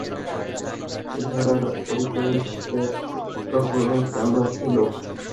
চেহারার অর্ধেকাংশে তখনও চামড়া ছিল।